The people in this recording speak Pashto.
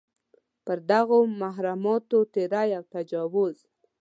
پر دغو محرماتو تېری او تجاوز.